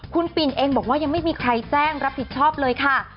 คุณปิ่นเองบอกว่ายังไม่มีใครแจ้งรับผิดชอบเลยค่ะ